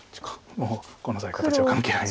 もうこの際形は関係ない。